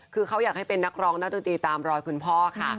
คือเขาอยากให้เป็นนักร้องนักดนตรีตามรอยคุณพ่อค่ะ